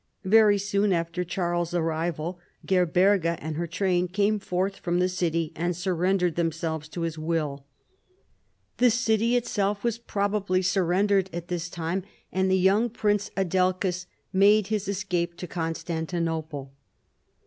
Very soon after Charles's arrival, Gerberga and her train came forth from the city and surrendered themselves to his will. The city itself was probably surrendered at the FALL OF THE LOMBARD MONARCHY. 125 same time; and the young prince Adelchis made bis escape to Constantinople.